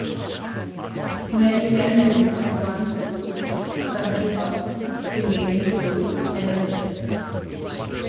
Meringandan has one school, a country pub, convenience store and a butcher.